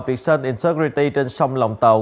vietsun integrity trên sông lòng tàu